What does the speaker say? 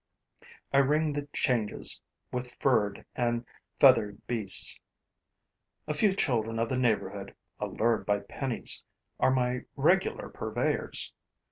I ring the changes with furred and feathered beasts. A few children of the neighborhood, allured by pennies, are my regular purveyors.